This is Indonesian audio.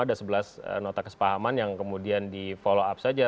ada sebelas nota kesepahaman yang kemudian di follow up saja